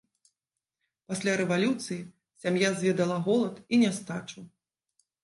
Пасля рэвалюцыі сям'я зведала голад і нястачу.